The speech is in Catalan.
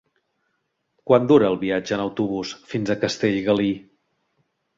Quant dura el viatge en autobús fins a Castellgalí?